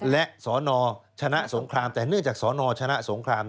และสนชนะสงครามแต่เนื่องจากสนชนะสงคราม